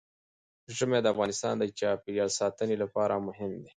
ژمی د افغانستان د چاپیریال ساتنې لپاره مهم دي.